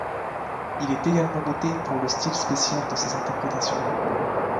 Il est également noté pour le style spécial de ses interprétations.